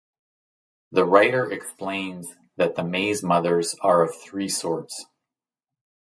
The writer explains that the Maize Mothers are of three sorts.